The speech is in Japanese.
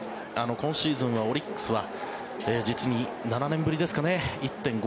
今シーズン、オリックスは実に７年ぶりですかね１．５